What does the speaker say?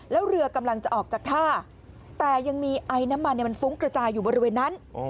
แล้วเรือกำลังจะออกจากท่าแต่ยังมีไอน้ำมันมันฟุ้งกระจายอยู่บริเวณนั้น